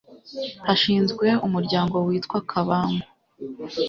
hashinzwe umuryango witwa kabangu